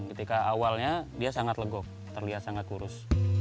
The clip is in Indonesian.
ketika awalnya dia sangat legok terlihat sangat kurus